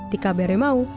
tika bere mau